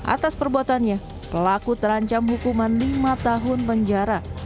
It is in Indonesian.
atas perbuatannya pelaku terancam hukuman lima tahun penjara